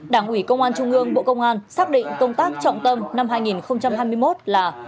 đảng ủy công an trung ương bộ công an xác định công tác trọng tâm năm hai nghìn hai mươi một là